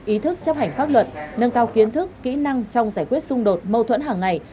ý thức chấp hành pháp luật nâng cao kiến thức kỹ năng trong giải quyết xung đột mâu thuẫn hàng ngày